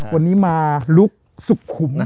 วันนี้มาลุคสุขุม